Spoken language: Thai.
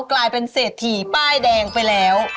กลายเป็นเศรษฐีป้ายแดงไปแล้ว